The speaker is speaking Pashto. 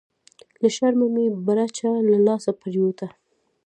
لهٔ شرمه مې برچه لهٔ لاسه پریوته… »